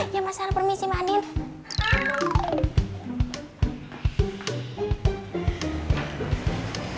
ya mas al permisi makanin